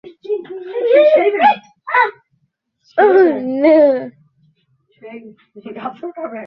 আয়নায় তাকিয়ে নিজেকে তার পছন্দই হলো।